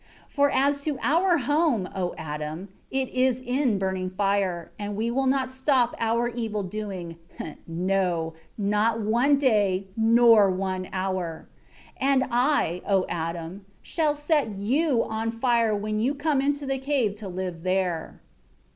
10 For as to our home, O Adam, it is in burning fire; and we will not stop our evil doing, no, not one day nor one hour. And I, O Adam, shall set you on fire when you come into the cave to live there."